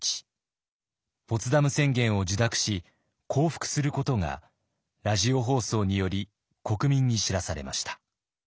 ポツダム宣言を受諾し降伏することがラジオ放送により国民に知らされました。